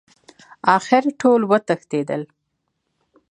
اخر ټول وتښتېدل.